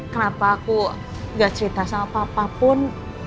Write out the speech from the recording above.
kenapa aku gak cerita sama papa pun